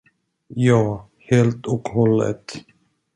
Ja, helt och hållet.